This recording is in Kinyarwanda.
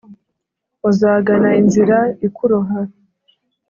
uzagana inzira ikuroha